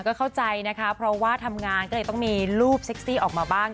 ก็เข้าใจนะคะเพราะว่าทำงานก็เลยต้องมีรูปเซ็กซี่ออกมาบ้าง